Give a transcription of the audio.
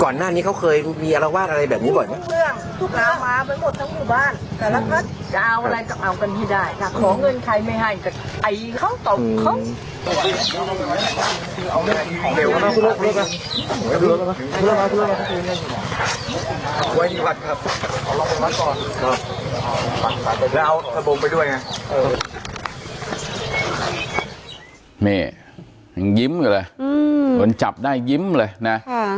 นี่ยิ้มเลยโดนจับได้ยิ้มเลยนะ